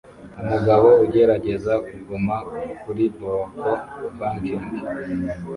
Umugabo ugerageza kuguma kuri bronco bucking